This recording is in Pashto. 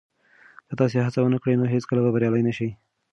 که تاسي هڅه ونه کړئ نو هیڅکله به بریالي نه شئ.